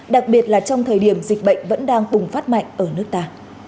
đặc biệt là trong thời điểm dịch bệnh vẫn đang bùng phát mạnh ở nước ta